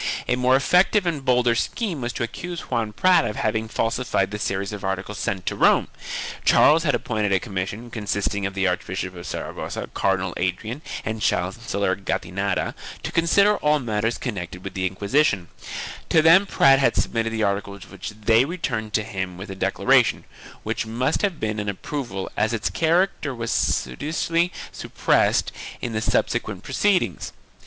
1 A more effective and bolder scheme was to accuse Juan Prat of having falsified the series of articles sent to Rome. Charles had appointed a commission, consisting of the Archbishop of Saragossa, Cardinal Adrian and Chancellor Gattinara, to consider all matters con nected with the Inquisiton; to them Prat had submitted the articles which they returned to him with a declaration, which must have been an approval as its character was studiously sup pressed in the subsequent proceedings.